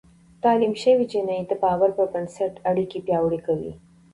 تعليم شوې نجونې د باور پر بنسټ اړيکې پياوړې کوي.